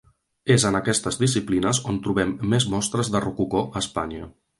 És en aquestes disciplines on trobem més mostres de rococó a Espanya.